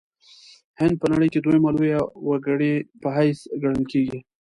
هند په نړۍ کې دویمه لویه وګړې په حیث ګڼل کیږي.